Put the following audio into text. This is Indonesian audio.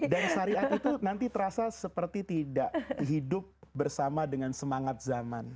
dan syariat itu nanti terasa seperti tidak hidup bersama dengan semangat zaman